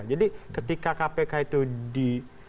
jadi ketika kpk itu dihubungkan